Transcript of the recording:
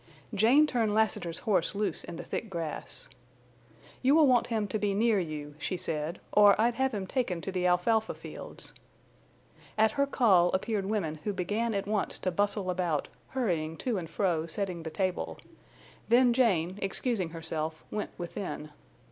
Jane turned Lassiter's horse loose in the thick grass. "You will want him to be near you," she said, "or I'd have him taken to the alfalfa fields." At her call appeared women who began at once to bustle about, hurrying to and fro, setting the table. Then Jane, excusing herself, went within.